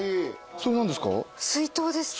それ何ですか？